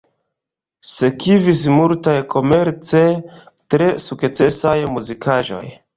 Sekvis multaj komerce tre sukcesaj muzikaĵoj.